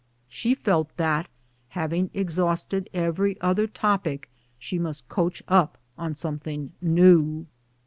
She felt that " hav ing exhausted every other topic she must coach up on something new."